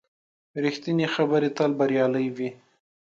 ریښتینې خبرې تل بریالۍ وي.